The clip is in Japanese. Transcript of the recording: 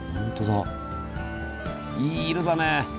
いい色だね。